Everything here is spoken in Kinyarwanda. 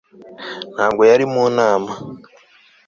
ntabwo yari mu nama